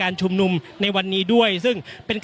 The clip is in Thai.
อย่างที่บอกไปว่าเรายังยึดในเรื่องของข้อ